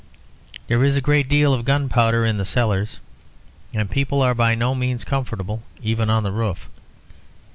There is a great deal of gunpowder in the cellars; and people are by no means comfortable even on the roof.